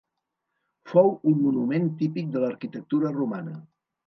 Fou un monument típic de l'arquitectura romana.